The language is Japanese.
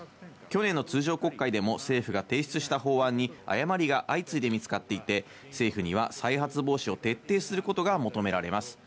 去年の通常国会でも政府が提出した法案に誤りが相次いで見つかっていて、政府には再発防止を徹底することが求められます。